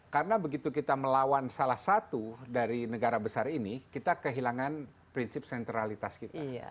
karena begitu kita melawan salah satu dari negara besar ini kita kehilangan prinsip sentralitas kita